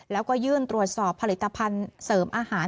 แล้วก็ยื่นตรวจสอบผลิตภัณฑ์เสริมอาหาร